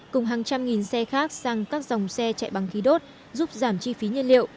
cùng hàng trăm nghìn xe khác sang các dòng xe chạy bằng khí đốt giúp giảm chi phí nhân liệu